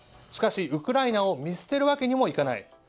しかしウクライナを見捨てるわけにもいかない。